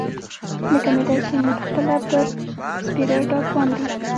لکه معده چې مې پخپله پر سپېره ډاګ باندې.